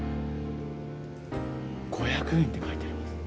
「５００ＹＥＮ」って書いてあります。